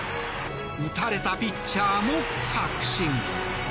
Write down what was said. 打たれたピッチャーも確信。